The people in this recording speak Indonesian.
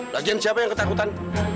lagi siapa yang ketakutan